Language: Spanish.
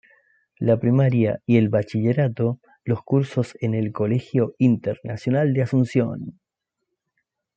La primaria y el bachillerato los cursó en el Colegio Internacional de Asunción.